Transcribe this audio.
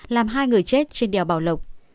làm hai người chết trên đèo bảo lộc